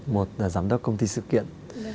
một là giám đốc công ty sự kiện